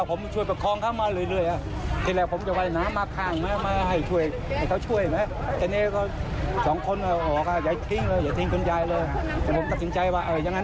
ผมช่วยประคองข้าวไหว่มาเรือยให้ผมสมควรบอกอย่าคืน